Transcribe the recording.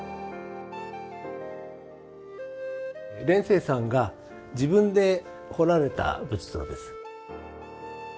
蓮生さんが自分で彫られた仏像です。